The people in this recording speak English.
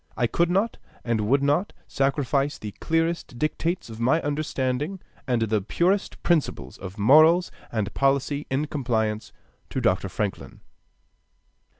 I could not and would not sacrifice the clearest dictates of my understanding and the purest principles of morals and policy in compliance to Dr. Franklin.